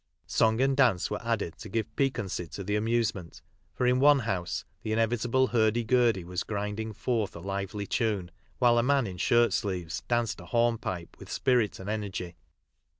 Song and dance were added to give piquancy to the amusement, for in one house the inevitable hurdy gurdy was grinding forth a lively tune, while a man in shirt sleeves danced a hornpipe with spirit and energy.